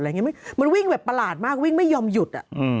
อะไรอย่างนี้มันวิ่งแบบประหลาดมากวิ่งไม่ยอมหยุด